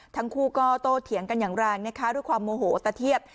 ทั้งคู่ก็โตเถียงกันอย่างแรงนะคะด้วยความโมโหตะเทียบ